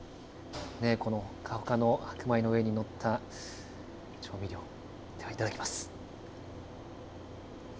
このほかほかの白米の上に載った調味料、では、いただきます。